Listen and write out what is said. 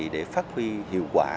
để phát huy hiệu quả